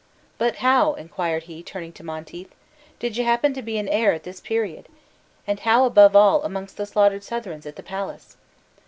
"But how," inquired he, turning to Monteith, "did you happen to be in Ayr at this period? and how, above all, amongst the slaughtered Southrons at the palace?"